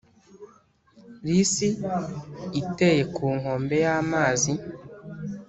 lisi iteye ku nkombe y’amazi,